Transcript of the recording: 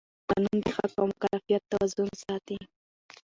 قانون د حق او مکلفیت توازن ساتي.